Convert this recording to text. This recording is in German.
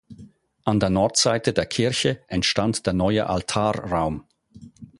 An der Nordseite der Kirche entstand der neue Altarraum.